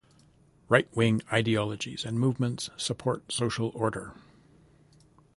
Right-wing ideologies and movements support social order.